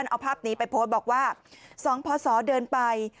เอาภาพนี้ไปพ่อบอกว่าสองพรศรนไป